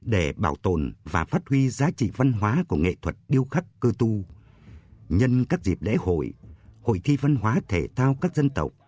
để bảo tồn và phát huy giá trị văn hóa của nghệ thuật điêu khắc cơ tu nhân các dịp lễ hội hội thi văn hóa thể thao các dân tộc